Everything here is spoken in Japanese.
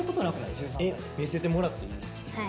見せてもらっていい？